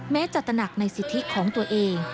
แม้จะตระหนักในสิทธิของตัวเอง